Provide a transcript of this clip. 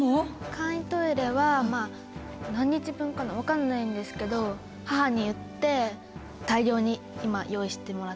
簡易トイレは何日分かな分かんないんですけど母に言って大量に今用意してもらっています。